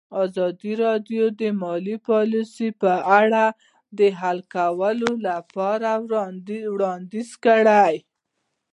ازادي راډیو د مالي پالیسي په اړه د حل کولو لپاره وړاندیزونه کړي.